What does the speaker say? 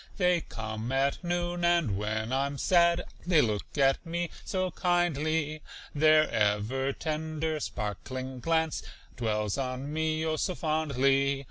They come at noon, and when I'm sad They look at me so kindly, Their ever tender, sparkling glance Dwells on me, oh, so fondly.